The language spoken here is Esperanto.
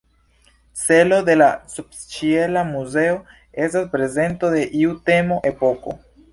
Celo de la subĉiela muzeo estas prezento de iu temo, epoko.